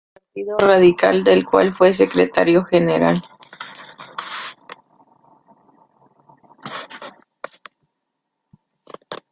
Militó en el Partido Radical, del cual fue secretario general.